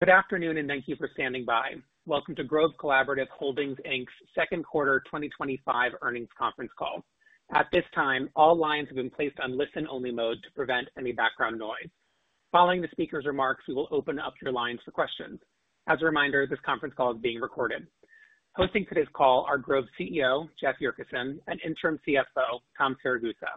Good afternoon and thank you for standing by. Welcome to Grove Collaborative Holdings Inc.'s Second Quarter 2025 Conference Call. At this time, all lines have been placed on listen-only mode to prevent any background noise. Following the speaker's remarks, we will open up your lines for questions. As a reminder, this conference call is being recorded. Hosting today's call are Grove CEO Jeff Yurcisin and Interim CFO Tom Siragusa.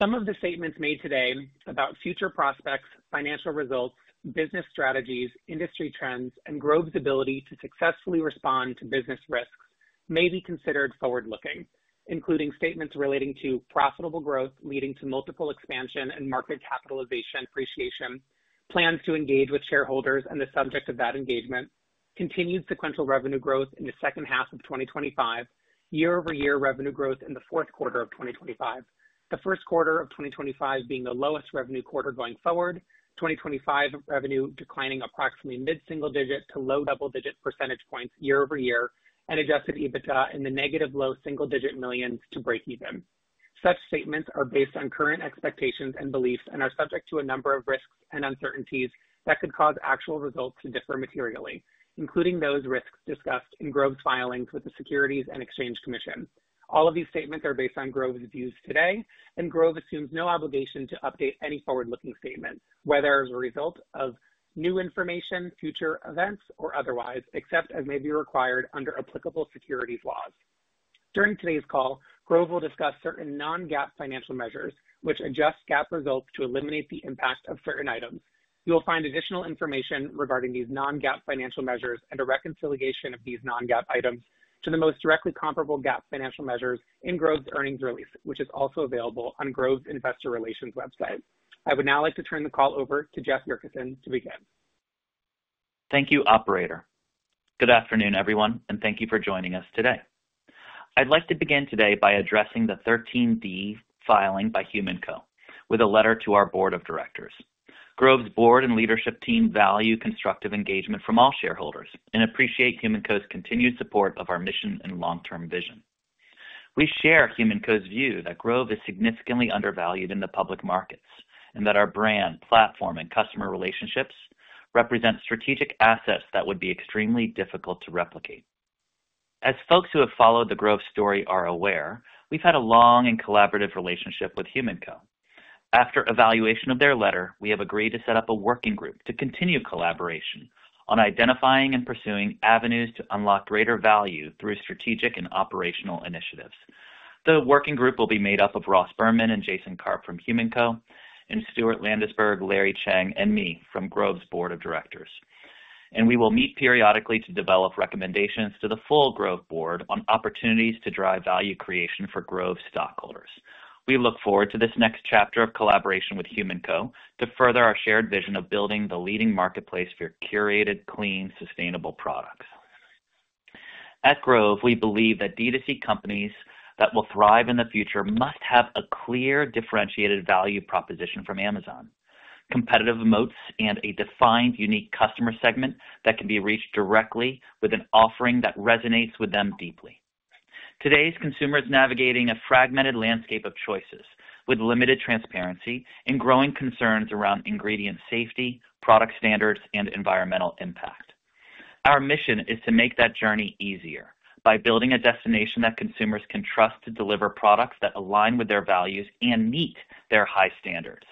Some of the statements made today about future prospects, financial results, business strategies, industry trends, and Grove's ability to successfully respond to business risks may be considered forward-looking, including statements relating to profitable growth leading to multiple expansion and market capitalization appreciation, plans to engage with shareholders and the subject of that engagement, continued sequential revenue growth in the second half of 2025, year-over-year revenue growth in the fourth quarter of 2025, the first quarter of 2025 being the lowest revenue quarter going forward, 2025 revenue declining approximately mid-single-digit to low double-digit % year-over-year, and adjusted EBITDA in the negative low single-digit millions to break even. Such statements are based on current expectations and beliefs and are subject to a number of risks and uncertainties that could cause actual results to differ materially, including those risks discussed in Grove's filings with the Securities and Exchange Commission. All of these statements are based on Grove's views today, and Grove assumes no obligation to update any forward-looking statement, whether as a result of new information, future events, or otherwise, except as may be required under applicable securities laws. During today's call, Grove will discuss certain non-GAAP financial measures, which adjust GAAP results to eliminate the impact of certain items. You will find additional information regarding these non-GAAP financial measures and a reconciliation of these non-GAAP items to the most directly comparable GAAP financial measures in Grove's earnings release, which is also available on Grove's Investor Relations website. I would now like to turn the call over to Jeff Yurcisin to begin. Thank you, Operator. Good afternoon, everyone, and thank you for joining us today. I'd like to begin today by addressing the 13B filing by HumanCo with a letter to our board of directors. Grove's board and leadership team value constructive engagement from all shareholders and appreciate HumanCo's continued support of our mission and long-term vision. We share HumanCo's view that Grove is significantly undervalued in the public markets and that our brand, platform, and customer relationships represent strategic assets that would be extremely difficult to replicate. As folks who have followed the Grove story are aware, we've had a long and collaborative relationship with HumanCo. After evaluation of their letter, we have agreed to set up a working group to continue collaboration on identifying and pursuing avenues to unlock greater value through strategic and operational initiatives. The working group will be made up of Ross Berman and Jason Karp from HumanCo, and Stuart Landesberg, Larry Cheng, and me from Grove's board of directors. We will meet periodically to develop recommendations to the full Grove board on opportunities to drive value creation for Grove stockholders. We look forward to this next chapter of collaboration with HumanCo to further our shared vision of building the leading marketplace for curated, clean, sustainable products. At Grove, we believe that D2C companies that will thrive in the future must have a clear, differentiated value proposition from Amazon, competitive moats, and a defined, unique customer segment that can be reached directly with an offering that resonates with them deeply. Today's consumer is navigating a fragmented landscape of choices with limited transparency and growing concerns around ingredient safety, product standards, and environmental impact. Our mission is to make that journey easier by building a destination that consumers can trust to deliver products that align with their values and meet their high standards.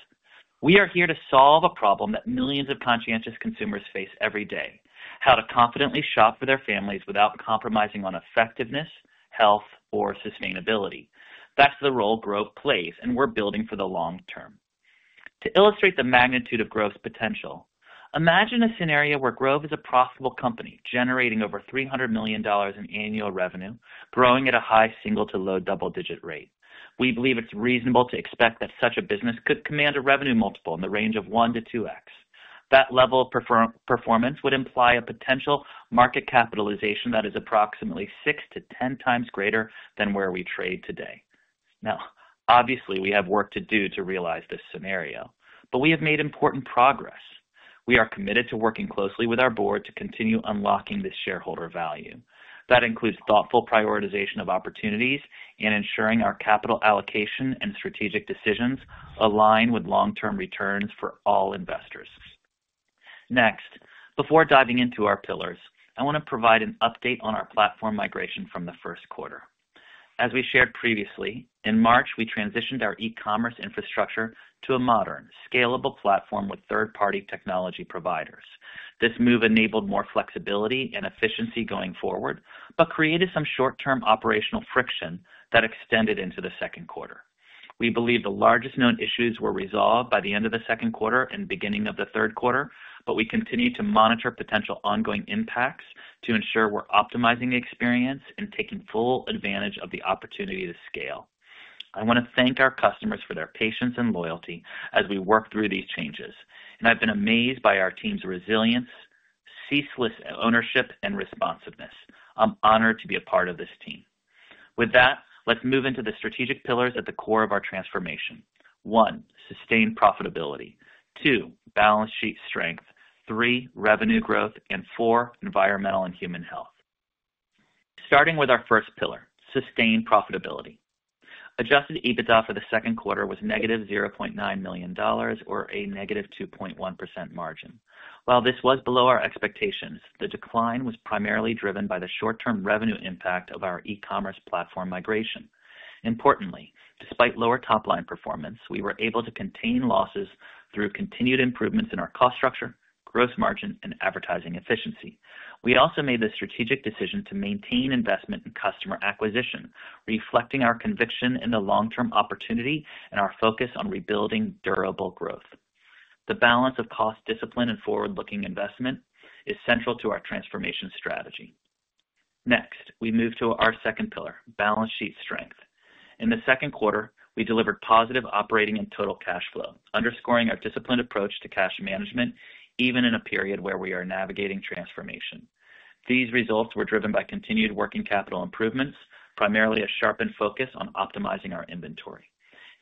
We are here to solve a problem that millions of conscientious consumers face every day: how to confidently shop for their families without compromising on effectiveness, health, or sustainability. That's the role Grove plays, and we're building for the long term. To illustrate the magnitude of Grove's potential, imagine a scenario where Grove is a profitable company generating over $300 million in annual revenue, growing at a high single to low double-digit rate. We believe it's reasonable to expect that such a business could command a revenue multiple in the range of 1-2x. That level of performance would imply a potential market capitalization that is approximately 6-10x greater than where we trade today. Obviously, we have work to do to realize this scenario, but we have made important progress. We are committed to working closely with our board to continue unlocking this shareholder value. That includes thoughtful prioritization of opportunities and ensuring our capital allocation and strategic decisions align with long-term returns for all investors. Next, before diving into our pillars, I want to provide an update on our platform migration from the first quarter. As we shared previously, in March, we transitioned our e-commerce infrastructure to a modern, scalable platform with third-party technology providers. This move enabled more flexibility and efficiency going forward, but created some short-term operational friction that extended into the second quarter. We believe the largest known issues were resolved by the end of the second quarter and beginning of the third quarter, but we continue to monitor potential ongoing impacts to ensure we're optimizing the experience and taking full advantage of the opportunity to scale. I want to thank our customers for their patience and loyalty as we work through these changes. I've been amazed by our team's resilience, ceaseless ownership, and responsiveness. I'm honored to be a part of this team. With that, let's move into the strategic pillars at the core of our transformation: one, sustained profitability; two, balance sheet strength; three, revenue growth; and four, environmental and human health. Starting with our first pillar, sustained profitability. Adjusted EBITDA for the second quarter was -$0.9 million, or a -2.1% margin. While this was below our expectations, the decline was primarily driven by the short-term revenue impact of our e-commerce platform migration. Importantly, despite lower top-line performance, we were able to contain losses through continued improvements in our cost structure, gross margin, and advertising efficiency. We also made the strategic decision to maintain investment in customer acquisition, reflecting our conviction in the long-term opportunity and our focus on rebuilding durable growth. The balance of cost discipline and forward-looking investment is central to our transformation strategy. Next, we move to our second pillar, balance sheet strength. In the second quarter, we delivered positive operating and total cash flow, underscoring our disciplined approach to cash management, even in a period where we are navigating transformation. These results were driven by continued working capital improvements, primarily a sharpened focus on optimizing our inventory.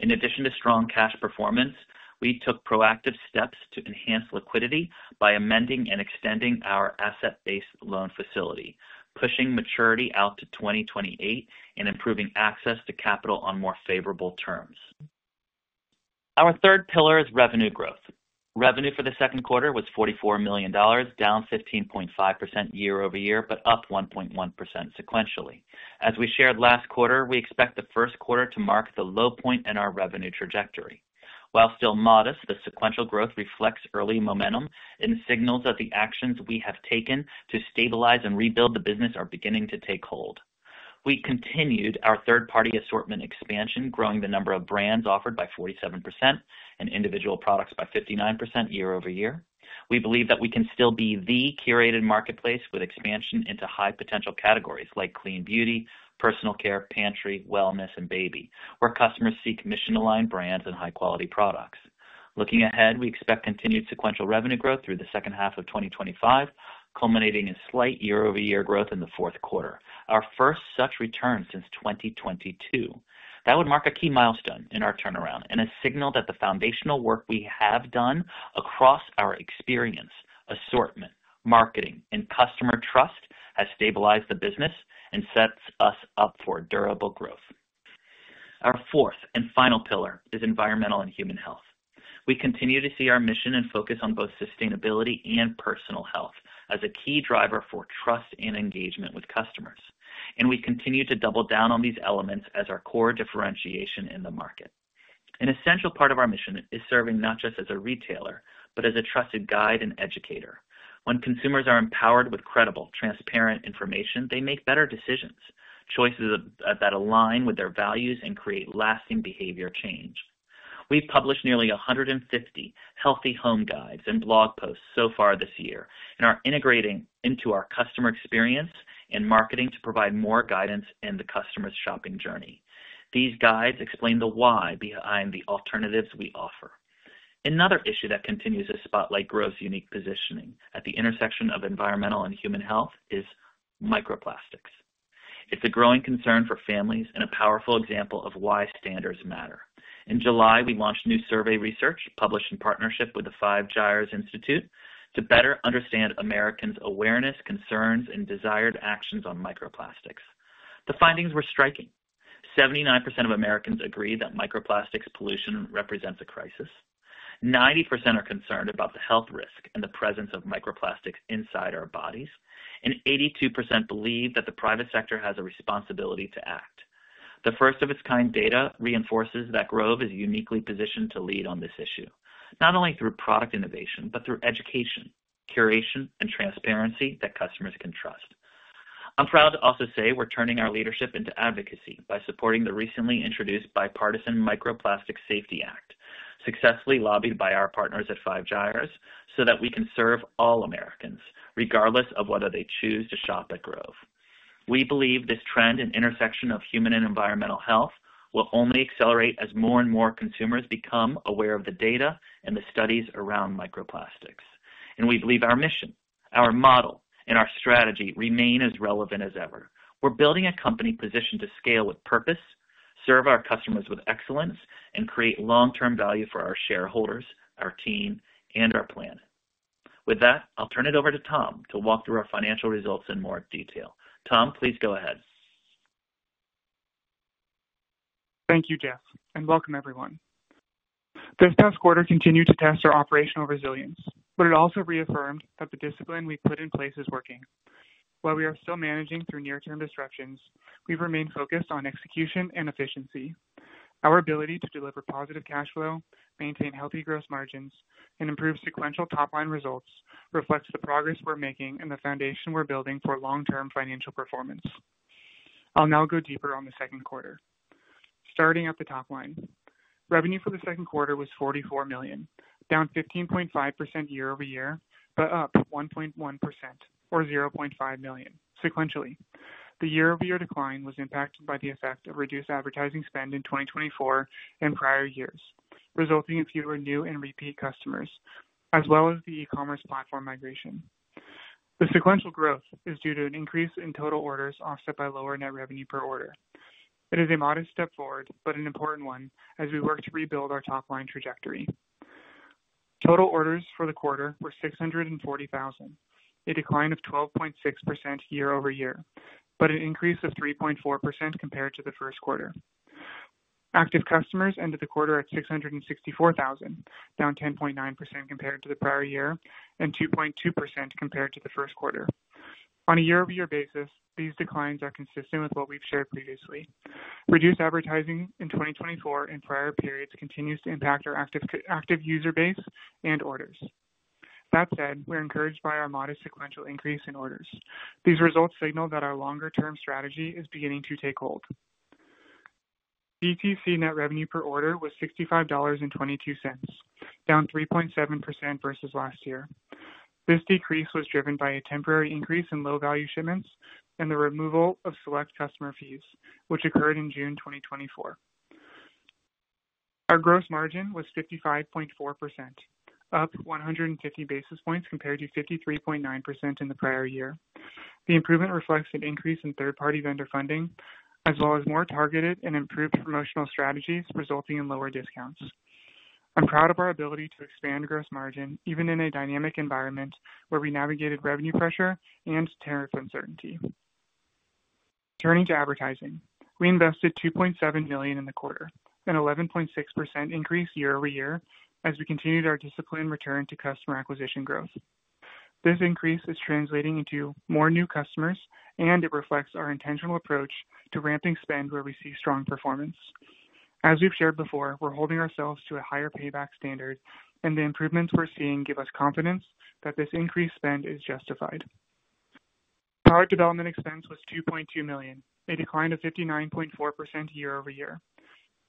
In addition to strong cash performance, we took proactive steps to enhance liquidity by amending and extending our asset-based loan facility, pushing maturity out to 2028 and improving access to capital on more favorable terms. Our third pillar is revenue growth. Revenue for the second quarter was $44 million, down 15.5% year-over-year, but up 1.1% sequentially. As we shared last quarter, we expect the first quarter to mark the low point in our revenue trajectory. While still modest, the sequential growth reflects early momentum and signals that the actions we have taken to stabilize and rebuild the business are beginning to take hold. We continued our third-party assortment expansion, growing the number of brands offered by 47% and individual products by 59% year-over-year. We believe that we can still be the curated marketplace with expansion into high-potential categories like clean beauty, personal care, kitchen and pantry, wellness, and baby, where customers seek mission-aligned brands and high-quality products. Looking ahead, we expect continued sequential revenue growth through the second half of 2025, culminating in slight year-over-year growth in the fourth quarter, our first such return since 2022. That would mark a key milestone in our turnaround and a signal that the foundational work we have done across our experience, assortment, marketing, and customer trust has stabilized the business and sets us up for durable growth. Our fourth and final pillar is environmental and human health. We continue to see our mission and focus on both sustainability and personal health as a key driver for trust and engagement with customers. We continue to double down on these elements as our core differentiation in the market. An essential part of our mission is serving not just as a retailer, but as a trusted guide and educator. When consumers are empowered with credible, transparent information, they make better decisions, choices that align with their values, and create lasting behavior change. We've published nearly 150 healthy home guides and blog posts so far this year and are integrating into our customer experience and marketing to provide more guidance in the customer's shopping journey. These guides explain the why behind the alternatives we offer. Another issue that continues to spotlight Grove's unique positioning at the intersection of environmental and human health is microplastics. It's a growing concern for families and a powerful example of why standards matter. In July, we launched new survey research published in partnership with the 5 Gyres Institute to better understand Americans' awareness, concerns, and desired actions on microplastics. The findings were striking. 79% of Americans agree that microplastics pollution represents a crisis. 90% are concerned about the health risk and the presence of microplastics inside our bodies, and 82% believe that the private sector has a responsibility to act. The first-of-its-kind data reinforces that Grove is uniquely positioned to lead on this issue, not only through product innovation, but through education, curation, and transparency that customers can trust. I'm proud to also say we're turning our leadership into advocacy by supporting the recently introduced Bipartisan Microplastic Safety Act, successfully lobbied by our partners at 5 Gyres, so that we can serve all Americans, regardless of whether they choose to shop at Grove. We believe this trend and intersection of human and environmental health will only accelerate as more and more consumers become aware of the data and the studies around microplastics. We believe our mission, our model, and our strategy remain as relevant as ever. We're building a company positioned to scale with purpose, serve our customers with excellence, and create long-term value for our shareholders, our team, and our planet. With that, I'll turn it over to Tom to walk through our financial results in more detail. Tom, please go ahead. Thank you, Jeff, and welcome, everyone. This test quarter continued to test our operational resilience, but it also reaffirmed that the discipline we've put in place is working. While we are still managing through near-term disruptions, we've remained focused on execution and efficiency. Our ability to deliver positive cash flow, maintain healthy gross margins, and improve sequential top-line results reflects the progress we're making and the foundation we're building for long-term financial performance. I'll now go deeper on the second quarter. Starting at the top line, revenue for the second quarter was $44 million, down 15.5% year-over-year, but up 1.1%, or $0.5 million, sequentially. The year-over-year decline was impacted by the effect of reduced advertising spend in 2024 and prior years, resulting in fewer new and repeat customers, as well as the Shopify e-commerce platform migration. The sequential growth is due to an increase in total orders offset by lower net revenue per order. It is a modest step forward, but an important one as we work to rebuild our top-line trajectory. Total orders for the quarter were 640,000, a decline of 12.6% year-over-year, but an increase of 3.4% compared to the first quarter. Active customers ended the quarter at 664,000, down 10.9% compared to the prior year and 2.2% compared to the first quarter. On a year-over-year basis, these declines are consistent with what we've shared previously. Reduced advertising in 2024 and prior periods continues to impact our active user base and orders. That said, we're encouraged by our modest sequential increase in orders. These results signal that our longer-term strategy is beginning to take hold. BTC net revenue per order was $55.22, down 3.7% versus last year. This decrease was driven by a temporary increase in low-value shipments and the removal of select customer fees, which occurred in June 2024. Our gross margin was 55.4%, up 150 basis points compared to 53.9% in the prior year. The improvement reflects an increase in third-party vendor funding, as well as more targeted and improved promotional strategies, resulting in lower discounts. I'm proud of our ability to expand gross margin, even in a dynamic environment where we navigated revenue pressure and tariff uncertainty. Turning to advertising, we invested $2.7 million in the quarter, an 11.6% increase year-over-year as we continued our disciplined return to customer acquisition growth. This increase is translating into more new customers, and it reflects our intentional approach to ramping spend where we see strong performance. As we've shared before, we're holding ourselves to a higher payback standard, and the improvements we're seeing give us confidence that this increased spend is justified. Product development expense was $2.2 million, a decline of 59.4% year-over-year.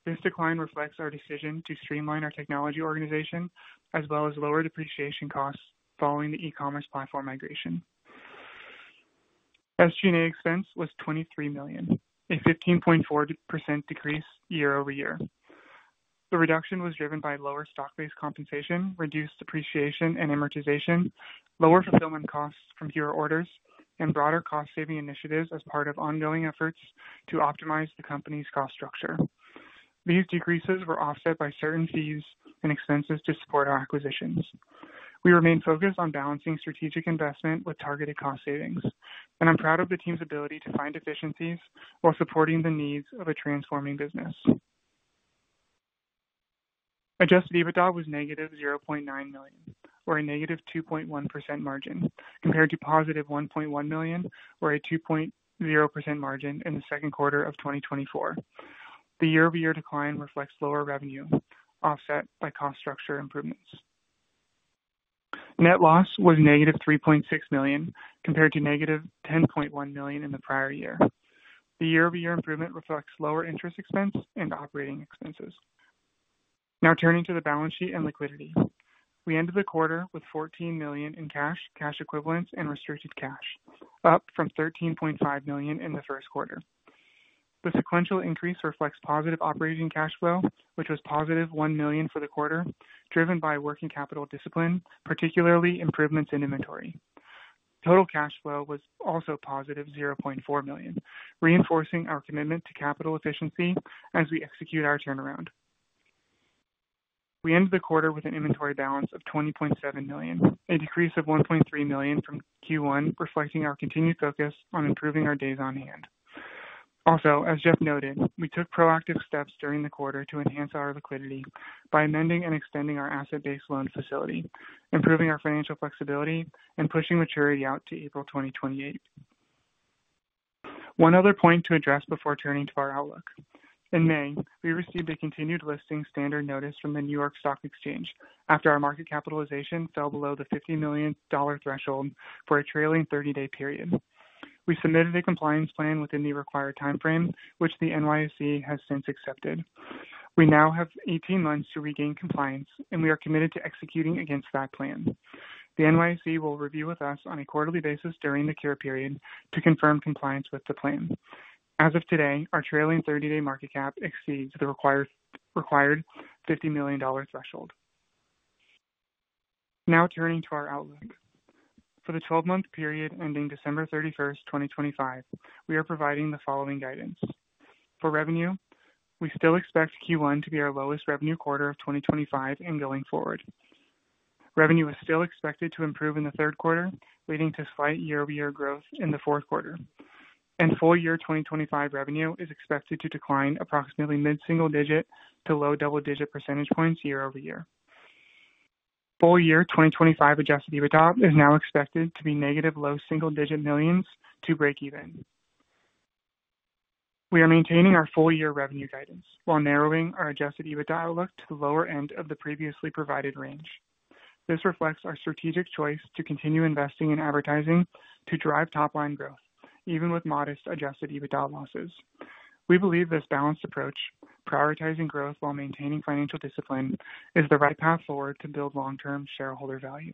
This decline reflects our decision to streamline our technology organization, as well as lower depreciation costs following the Shopify e-commerce platform migration. SG&A expense was $23 million, a 15.4% decrease year-over-year. The reduction was driven by lower stock-based compensation, reduced depreciation and amortization, lower fulfillment costs from fewer orders, and broader cost-saving initiatives as part of ongoing efforts to optimize the company's cost structure. These decreases were offset by certain fees and expenses to support our acquisitions. We remain focused on balancing strategic investment with targeted cost savings, and I'm proud of the team's ability to find efficiencies while supporting the needs of a transforming business. Adjusted EBITDA was -$0.9 million, or a -2.1% margin, compared to +$1.1 million, or a 2.0% margin in the second quarter of 2024. The year-over-year decline reflects lower revenue offset by cost structure improvements. Net loss was -$3.6 million compared to -$10.1 million in the prior year. The year-over-year improvement reflects lower interest expense and operating expenses. Now, turning to the balance sheet and liquidity, we ended the quarter with $14 million in cash, cash equivalents, and restricted cash, up from $13.5 million in the first quarter. The sequential increase reflects positive operating cash flow, which was +$1 million for the quarter, driven by working capital discipline, particularly improvements in inventory. Total cash flow was also +$0.4 million, reinforcing our commitment to capital efficiency as we execute our turnaround. We ended the quarter with an inventory balance of $20.7 million, a decrease of $1.3 million from Q1, reflecting our continued focus on improving our days on hand. Also, as Jeff noted, we took proactive steps during the quarter to enhance our liquidity by amending and extending our asset-based loan facility, improving our financial flexibility, and pushing maturity out to April 2028. One other point to address before turning to our outlook. In May, we received a continued listing standard notice from the NYSE after our market capitalization fell below the $50 million threshold for a trailing 30-day period. We submitted a compliance plan within the required timeframe, which the NYSE has since accepted. We now have 18 months to regain compliance, and we are committed to executing against that plan. The NYSE will review with us on a quarterly basis during the care period to confirm compliance with the plan. As of today, our trailing 30-day market cap exceeds the required $50 million threshold. Now, turning to our outlook. For the 12-month period ending December 31st, 2025, we are providing the following guidance. For revenue, we still expect Q1 to be our lowest revenue quarter of 2025 and going forward. Revenue is still expected to improve in the third quarter, leading to slight year-over-year growth in the fourth quarter. Full-year 2025 revenue is expected to decline approximately mid-single-digit to low double-digit percentage points year-over-year. Full-year 2025 adjusted EBITDA is now expected to be negative low single-digit millions to break even. We are maintaining our full-year revenue guidance while narrowing our adjusted EBITDA outlook to the lower end of the previously provided range. This reflects our strategic choice to continue investing in advertising to drive top-line growth, even with modest adjusted EBITDA losses. We believe this balanced approach, prioritizing growth while maintaining financial discipline, is the right path forward to build long-term shareholder value.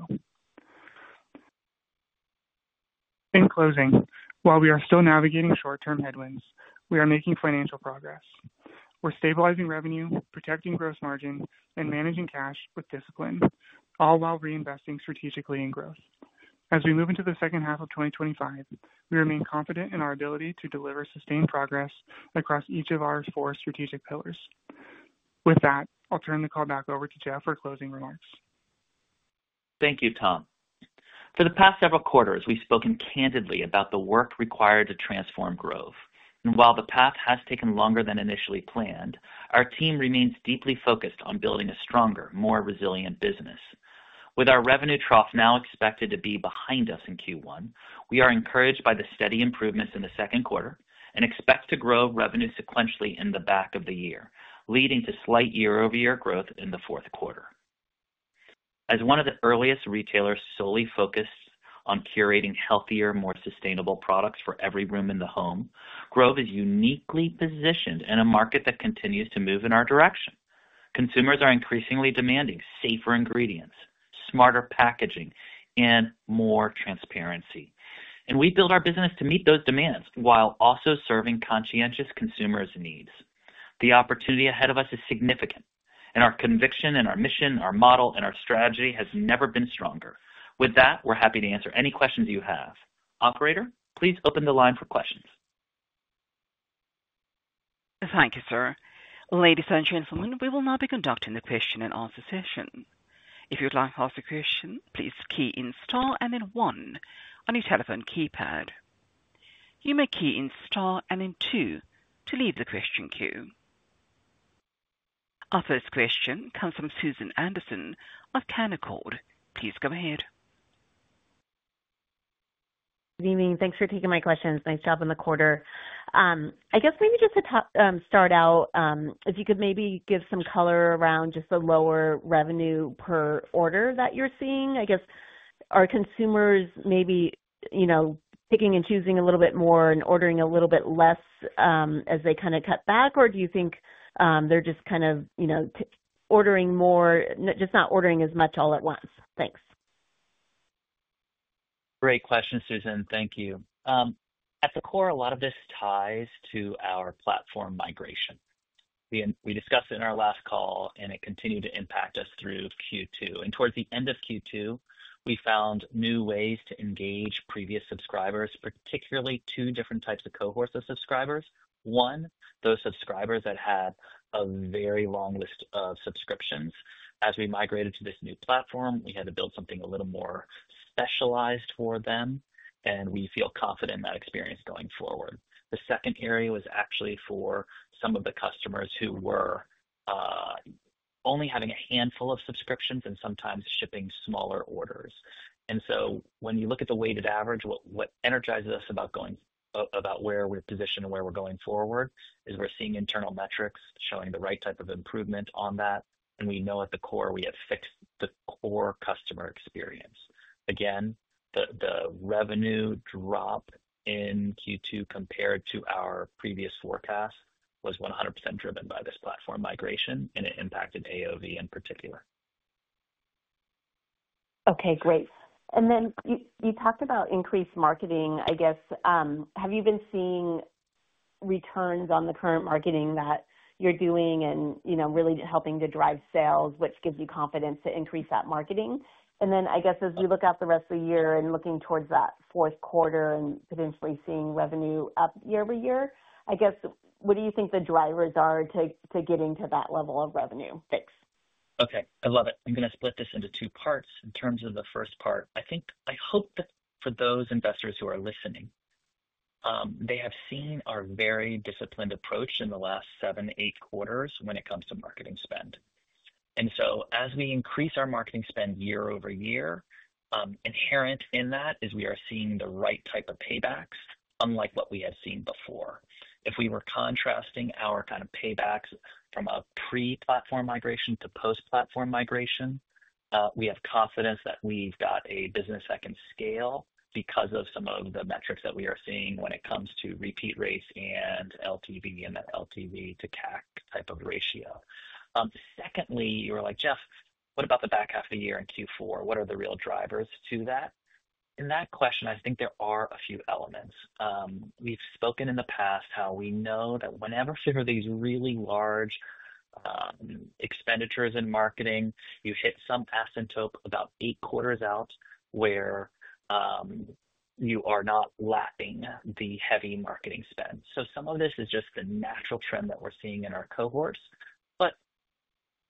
In closing, while we are still navigating short-term headwinds, we are making financial progress. We're stabilizing revenue, protecting gross margin, and managing cash with discipline, all while reinvesting strategically in growth. As we move into the second half of 2025, we remain confident in our ability to deliver sustained progress across each of our four strategic pillars. With that, I'll turn the call back over to Jeff for closing remarks. Thank you, Tom. For the past several quarters, we've spoken candidly about the work required to transform Grove. While the path has taken longer than initially planned, our team remains deeply focused on building a stronger, more resilient business. With our revenue trough now expected to be behind us in Q1, we are encouraged by the steady improvements in the second quarter and expect to grow revenue sequentially in the back of the year, leading to slight year-over-year growth in the fourth quarter. As one of the earliest retailers solely focused on curating healthier, more sustainable products for every room in the home, Grove is uniquely positioned in a market that continues to move in our direction. Consumers are increasingly demanding safer ingredients, smarter packaging, and more transparency. We build our business to meet those demands while also serving conscientious consumers' needs. The opportunity ahead of us is significant, and our conviction, our mission, our model, and our strategy has never been stronger. With that, we're happy to answer any questions you have. Operator, please open the line for questions. Thank you, sir. Ladies and gentlemen, we will now be conducting the question and answer session. If you'd like to ask a question, please key in star and then one on your telephone keypad. You may key in star and then two to leave the question queue. Our first question comes from Susan Anderson of Canaccord. Please go ahead. Good evening. Thanks for taking my questions. Nice job in the quarter. I guess maybe just to start out, if you could maybe give some color around just the lower revenue per order that you're seeing. I guess are consumers maybe picking and choosing a little bit more and ordering a little bit less as they kind of cut back, or do you think they're just kind of ordering more, just not ordering as much all at once? Thanks. Great question, Susan. Thank you. At the core, a lot of this ties to our platform migration. We discussed it in our last call, and it continued to impact us through Q2. Towards the end of Q2, we found new ways to engage previous subscribers, particularly two different types of cohorts of subscribers. One, those subscribers that had a very long list of subscriptions. As we migrated to this new platform, we had to build something a little more specialized for them, and we feel confident in that experience going forward. The second area was actually for some of the customers who were only having a handful of subscriptions and sometimes shipping smaller orders. When you look at the weighted average, what energizes us about where we're positioned and where we're going forward is we're seeing internal metrics showing the right type of improvement on that. We know at the core we have fixed the core customer experience. The revenue drop in Q2 compared to our previous forecast was 100% driven by this platform migration, and it impacted average order value in particular. OK, great. You talked about increased marketing. Have you been seeing returns on the current marketing that you're doing and really helping to drive sales, which gives you confidence to increase that marketing? As you look out the rest of the year and looking towards that fourth quarter and potentially seeing revenue up year-over-year, what do you think the drivers are to getting to that level of revenue? Thanks. OK, I love it. I'm going to split this into two parts. In terms of the first part, I think I hope that for those investors who are listening, they have seen our very disciplined approach in the last seven, eight quarters when it comes to marketing spend. As we increase our marketing spend year over year, inherent in that is we are seeing the right type of paybacks, unlike what we have seen before. If we were contrasting our kind of paybacks from a pre-platform migration to post-platform migration, we have confidence that we've got a business that can scale because of some of the metrics that we are seeing when it comes to repeat rates and LTV and that LTV/CAC type of ratio. Secondly, you were like, Jeff, what about the back half of the year in Q4? What are the real drivers to that? In that question, I think there are a few elements. We've spoken in the past how we know that whenever for these really large expenditures in marketing, you hit some asymptote about eight quarters out where you are not lapping the heavy marketing spend. Some of this is just the natural trend that we're seeing in our cohorts.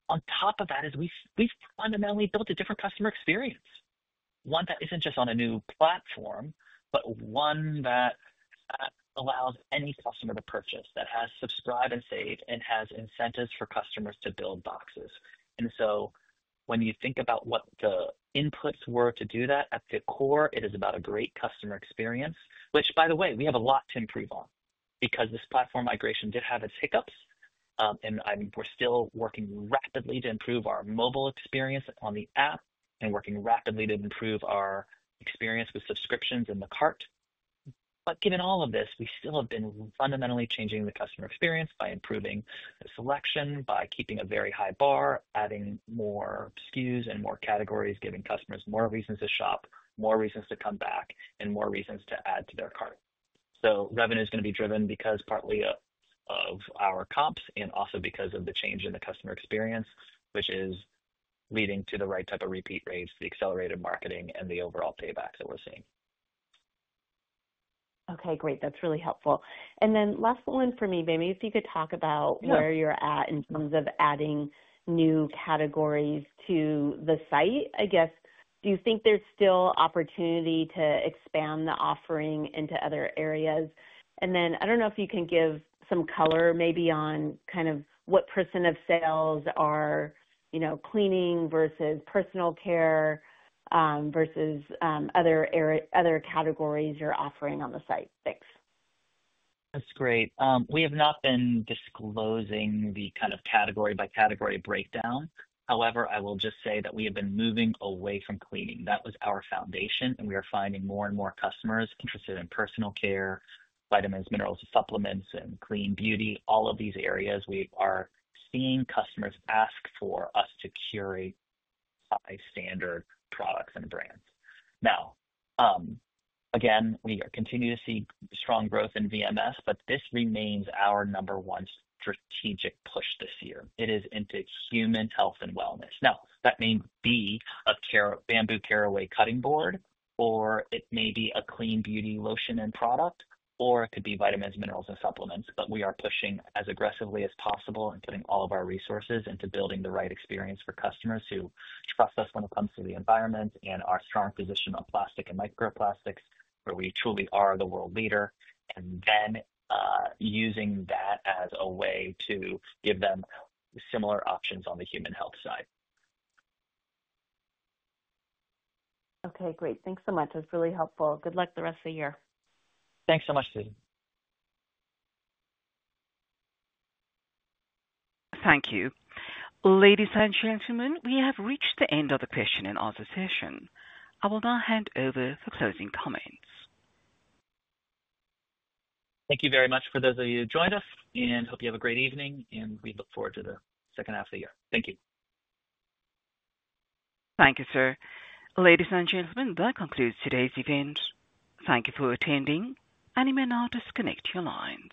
On top of that, we fundamentally built a different customer experience, one that isn't just on a new platform, but one that allows any customer to purchase, that has Subscribe & Save, and has incentives for customers to build boxes. When you think about what the inputs were to do that at the core, it is about a great customer experience, which, by the way, we have a lot to improve on because this platform migration did have its hiccups. We're still working rapidly to improve our mobile experience on the app and working rapidly to improve our experience with subscriptions in the cart. Given all of this, we still have been fundamentally changing the customer experience by improving selection, by keeping a very high bar, adding more SKUs and more categories, giving customers more reasons to shop, more reasons to come back, and more reasons to add to their cart. Revenue is going to be driven because partly of our comps and also because of the change in the customer experience, which is leading to the right type of repeat rates, the accelerated marketing, and the overall payback that we're seeing. OK, great. That's really helpful. Last one for me, maybe if you could talk about where you're at in terms of adding new categories to the site. Do you think there's still opportunity to expand the offering into other areas? I don't know if you can give some color maybe on kind of what percent of sales are, you know, cleaning versus personal care versus other categories you're offering on the site. Thanks. That's great. We have not been disclosing the kind of category-by-category breakdown. However, I will just say that we have been moving away from cleaning. That was our foundation, and we are finding more and more customers interested in personal care, vitamins, minerals, and supplements, and clean beauty, all of these areas. We are seeing customers ask for us to curate high-standard products and brands. Now, again, we continue to see strong growth in VMS, but this remains our number one strategic push this year. It is into human health and wellness. That may be a bamboo caraway cutting board, or it may be a clean beauty lotion and product, or it could be vitamins, minerals, and supplements. We are pushing as aggressively as possible and putting all of our resources into building the right experience for customers who trust us when it comes to the environment and our strong position on plastic and microplastics, where we truly are the world leader. We are using that as a way to give them similar options on the human health side. OK, great. Thanks so much. That's really helpful. Good luck the rest of the year. Thanks so much, Susan. Thank you. Ladies and gentlemen, we have reached the end of the question and answer session. I will now hand over for closing comments. Thank you very much for those of you who joined us, and hope you have a great evening. We look forward to the second half of the year. Thank you. Thank you, sir. Ladies and gentlemen, that concludes today's event. Thank you for attending, and you may now disconnect your lines.